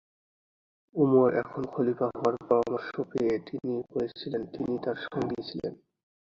উমর এখন খলিফা হওয়ার পরামর্শ পেয়ে তিনি বলেছিলেন, "তিনি তাঁর সঙ্গী ছিলেন"।